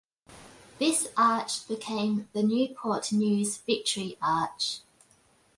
This arch became the Newport News Victory Arch.